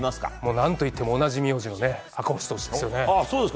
何といっても同じ名字の赤星投手ですよね。